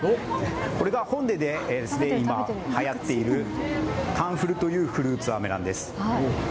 これがホンデで今はやっているタンフルというフルーツあめなんです。